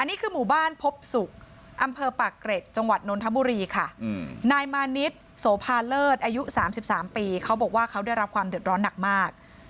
นี่คือหมู่บ้านพบศุกร์อำเภอปากเกร็ดจังหวัดนนทบุรีค่ะนายมานิดโสภาเลิศอายุ๓๓ปีเขาบอกว่าเขาได้รับความเดือดร้อนหนักมาก